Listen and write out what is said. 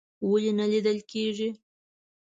ولې نه لیدل کیږي؟